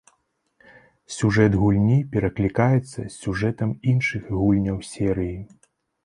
Сюжэт гульні пераклікаецца з сюжэтам іншых гульняў серыі.